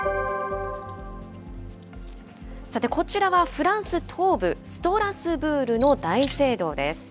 さて、こちらはフランス東部ストラスブールの大聖堂です。